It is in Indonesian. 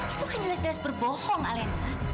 itu kan jelas jelas berbohong alena